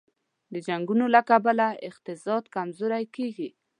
د جنګونو له کبله اقتصاد کمزوری کېږي.